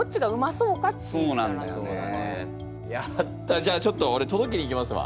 じゃあちょっとおれとどけに行きますわ。